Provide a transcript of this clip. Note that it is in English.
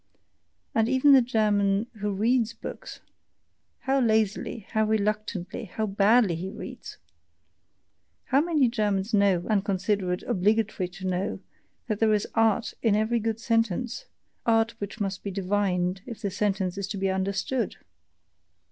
And even the German who READS books! How lazily, how reluctantly, how badly he reads! How many Germans know, and consider it obligatory to know, that there is ART in every good sentence art which must be divined, if the sentence is to be understood!